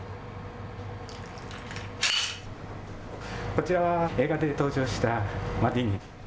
こちら映画で登場したマティーニ。